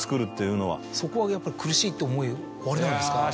そこはやっぱり苦しいって思いおありなんですか。